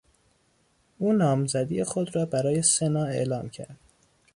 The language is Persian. او نامزدی خود را برای سنا اعلام کرد.